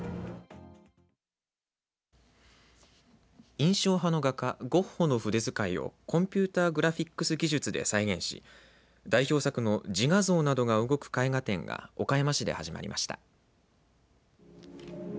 印象派の画家ゴッホの筆遣いをコンピューターグラフィックス技術で再現し代表作の自画像などが動く絵画展が岡山市で始まりました。